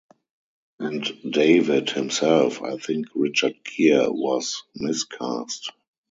And David, himself - I think Richard Gere was miscast.